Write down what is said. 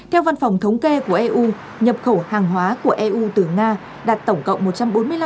theo văn phòng thống kê của eu nhập khẩu hàng hóa của eu từ nga đạt tổng cộng một trăm bốn mươi năm